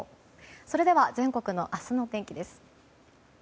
それでは全国の明日の天気です。